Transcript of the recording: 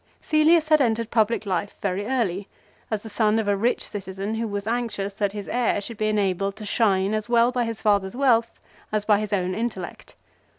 Cselius had entered public life very early, as the son of a rich citizen who was anxious that his heir should be enabled to shine as well by his father's wealth as by his own intellect.